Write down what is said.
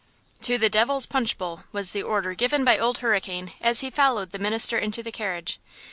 "TO the Devil's Punch Bowl," was the order given by Old Hurricane as he followed the minister into the carriage.